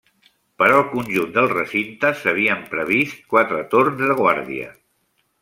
Per al conjunt del recinte, s'havien previst quatre torns de guàrdia.